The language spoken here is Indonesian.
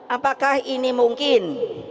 apakah ini mungkin